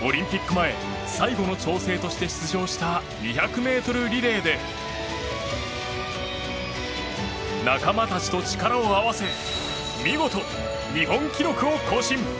前最後の調整として出場した２００ｍリレーで仲間たちと力を合わせ見事、日本記録を更新。